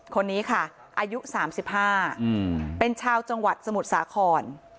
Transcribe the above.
คนนี้ค่ะอายุ๓๕เป็นชาวจังหวัดสมุทรสาคร